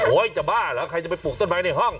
จะบ้าเหรอใครจะไปปลูกต้นไม้ในห้อง